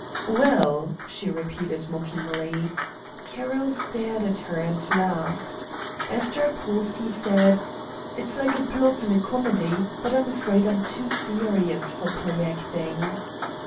"Well?" she repeated, mockingly. Carroll stared at her and laughed. After a pause he said: "It's like a plot in a comedy. But I'm afraid I'm too serious for play acting."